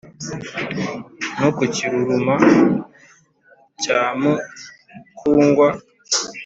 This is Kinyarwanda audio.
No ku Kiruruma cya Mukungwa